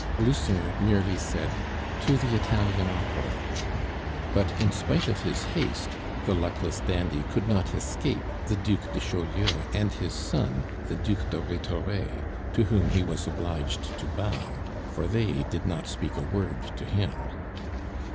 Lucien merely said, "To the Italian opera"; but in spite of his haste, the luckless dandy could not escape the Duc de Chaulieu and his son, the Duc de Rhetore, to whom he was obliged to bow, for they did not speak a word to him.